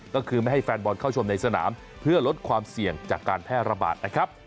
ก็คือไม่ให้แฟนบอลเข้าชมในสนามเพื่อลดความเสี่ยงจากการแพร่ระบาดนะครับ